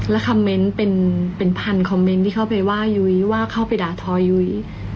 คอมเมนต์เป็นพันคอมเมนต์ที่เข้าไปว่ายุ้ยว่าเข้าไปด่าทอยุ้ย